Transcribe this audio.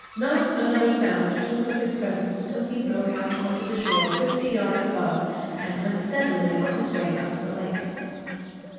Not another sound told of his presence till he broke out onto the shore, fifty yards above, and went steadily on his way up the lake.